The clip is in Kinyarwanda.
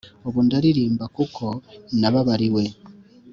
Ubundaririmba kuko nababariwe